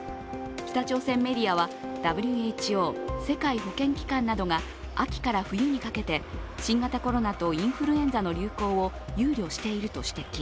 北朝鮮メディアは、ＷＨＯ＝世界保健機関などが秋から冬にかけて新型コロナとインフルエンザの流行を憂慮していると指摘。